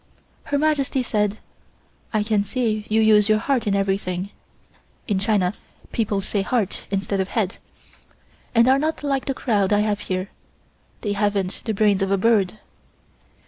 Her Majesty said: "I can see you use your heart in everything (in China people say heart instead of head) and are not like the crowd I have here; they haven't the brains of a bird."